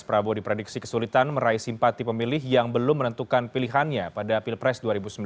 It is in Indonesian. prabowo diprediksi kesulitan meraih simpati pemilih yang belum menentukan pilihannya pada pilpres dua ribu sembilan belas